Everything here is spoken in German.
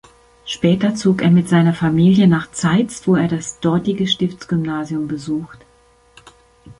Später zog er mit seiner Familie nach Zeitz, wo er das dortige Stiftsgymnasium besucht.